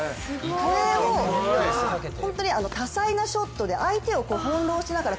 これを本当に多彩なショットで相手をほんろうしながら